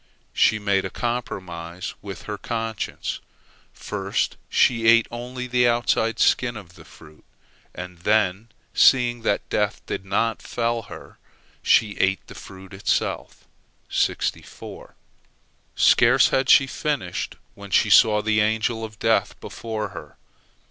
She made a compromise with her conscience. First she ate only the outside skin of the fruit, and then, seeing that death did not fell her, she ate the fruit itself. Scarce had she finished, when she saw the Angel of Death before her.